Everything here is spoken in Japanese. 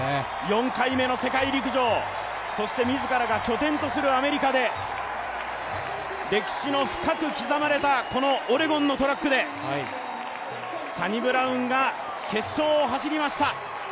４回目の世界陸上、そして、自らが拠点とするアメリカで歴史の深く刻まれたこのオレゴンのトラックでサニブラウンが決勝を走りました。